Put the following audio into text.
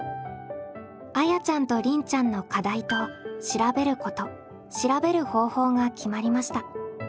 あやちゃんとりんちゃんの課題と「調べること」「調べる方法」が決まりました。